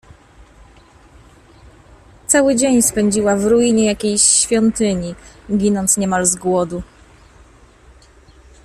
Cały dzień spędziła w ruinie jakiejś świątyni, ginąc niemal z głodu.